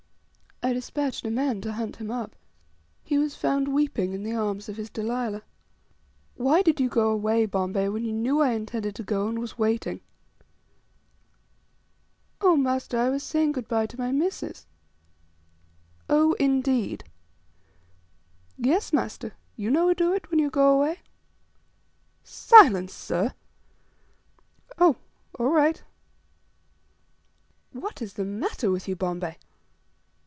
I despatched a man to hunt him up. He was found weeping in the arms of his Delilah. "Why did you go away, Bombay, when you knew I intended to go, and was waiting?" "Oh, master, I was saying good bye to my missis." "Oh, indeed?" "Yes, master; you no do it, when you go away? "Silence, sir." "Oh! all right." "What is the matter with you, Bombay?"